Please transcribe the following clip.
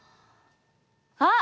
あっ！